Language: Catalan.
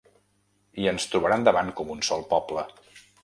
I ens trobaran davant com un sol poble.